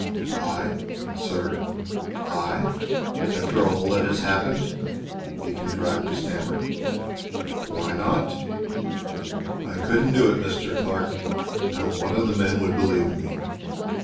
"I, sir! I? After all that has happened?" he contrived to stammer. "Why not?" "I couldn't do it, Mr. Clark. Not one of the men would believe in me.